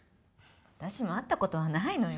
私も会ったことはないのよ。